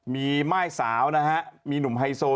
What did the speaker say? มีไม้สาวนะครับมีหนุ่มไฮโซ